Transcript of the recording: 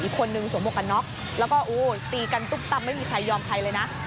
อีกคนนึงสวมหวกกันน็อกแล้วก็ตีกันตุ๊บตั้มไม่มีใครยอมใครเลยนะ